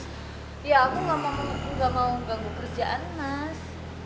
ya aku gak mau ganggu kerjaan mas